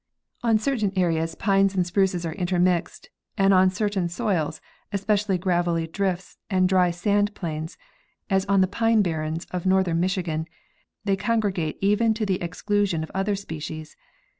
On certain areas pines and spruces 140 B. E. Fernow—The Battle of the Forest. are intermixed, and on certain soils, especially gravelly drifts and dry sand plains, as on the pine barrens of northern Michi gan, they congregate even to the exclusion of other species.